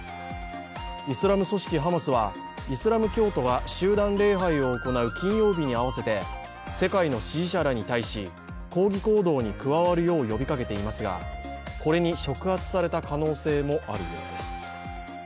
イスラム組織ハマスはイスラム教徒は集団礼拝を行う金曜日に合わせて、世界の支持者らに対し抗議行動に加わるよう呼びかけていますがこれに触発された可能性もあるようです。